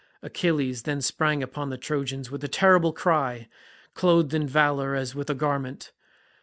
Achilles then sprang upon the Trojans with a terrible cry, clothed in valour as with a garment.